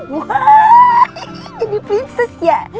jadi prinses ya